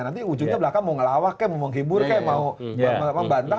nanti ujungnya belakang mau ngelawak kek mau menghibur kek mau membantah